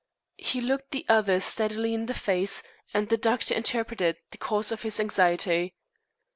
He looked the other steadily in the face and the doctor interpreted the cause of his anxiety.